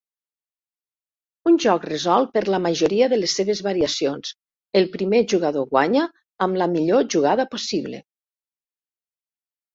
Un joc resolt per la majoria de les seves variacions, el primer jugador guanya amb la millor jugada possible.